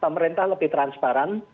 pemerintah lebih transparan